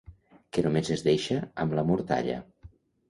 Que només es deixa amb la mortalla.